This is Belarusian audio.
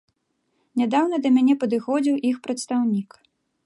Нядаўна да мяне падыходзіў іх прадстаўнік.